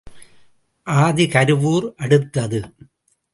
ஆதி கருவூர், அடுத்தது.